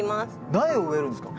苗を植えるんですか？